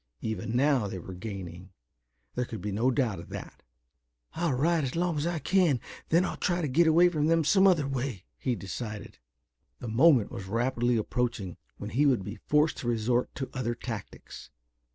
Even now they were gaining. There could be no doubt of that. "I'll ride as long as I can, then I'll try to get away from them some other way," he decided. The moment was rapidly approaching when he would be forced to resort to other tactics.